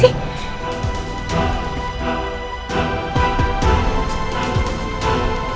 dan masih terima